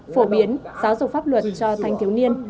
phổ biến giáo dục pháp luật cho thanh thiếu niên